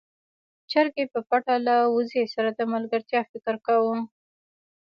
چرګې په پټه له وزې سره د ملګرتيا فکر کاوه.